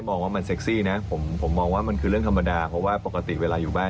บ้านเราอากาศมันร้อนครับคุณผู้ชม